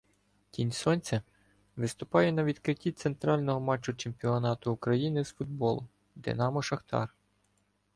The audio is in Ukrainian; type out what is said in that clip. «Тінь Сонця» виступає на відкритті центрального матчу чемпіонату України з футболу «Динамо» — «Шахтар».